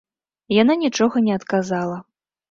Яна нічога не адказала.